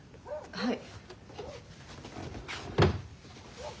はい。